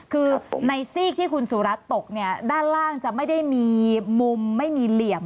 คือในซีกที่คุณสุรัตน์ตกเนี่ยด้านล่างจะไม่ได้มีมุมไม่มีเหลี่ยม